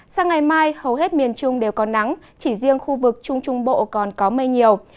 sang ngày mai hầu hết miền trung đều có nắng chỉ riêng khu vực trung trung bộ còn có mây nhiều